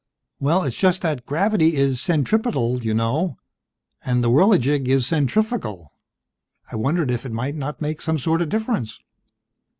"Well, it's just that gravity is centripetal, you know, and the Whirligig is centrifugal. I wondered if it might not make some sort of difference?"